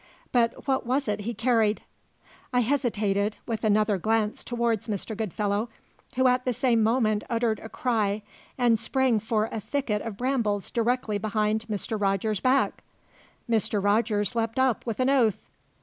"But what was it he carried?" I hesitated, with another glance towards Mr. Goodfellow, who at the same moment uttered a cry and sprang for a thicket of brambles directly behind Mr. Rogers's back. Mr. Rogers leapt up, with an oath.